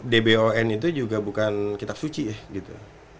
dbon itu juga bukan kitab suci ya gitu